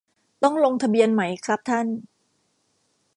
ต้องลงทะเบียนไหมครับท่าน